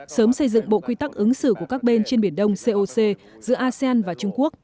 sớm xây dựng bộ quy tắc ứng xử của các bên trên biển đông coc giữa asean và trung quốc